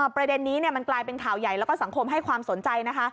ประเด็นนี้มันกลายเป็นข่าวใหญ่แล้วก็สังคมให้ความสนใจนะคะ